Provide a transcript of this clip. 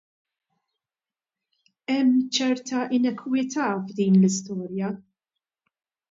Hemm ċerta inekwità f'din l-istorja.